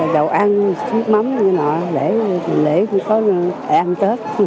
đậu ăn muối mắm như thế nào để có ăn tết